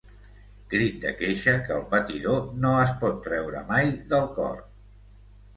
Crit de queixa que el patidor no es pot treure mai del cor.